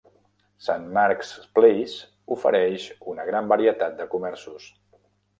Saint Mark's Place ofereix una gran varietat de comerços.